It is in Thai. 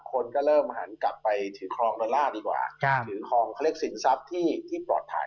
คนก็เริ่มหันกลับไปถือครองดอลลาร์ดีกว่าถือครองเขาเรียกสินทรัพย์ที่ปลอดภัย